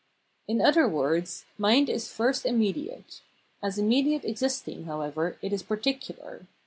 In other words, mind is first immed iate. As immediately existing, however, it is par ticular.